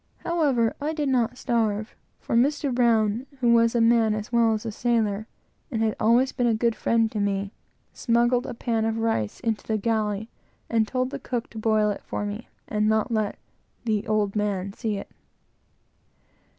However, I did not starve, for the mate, who was a man as well as a sailor, and had always been a good friend to me, smuggled a pan of rice into the galley, and told the cook to boil it for me, and not let the "old man" see it.